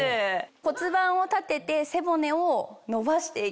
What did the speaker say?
骨盤を立てて背骨を伸ばして行きます。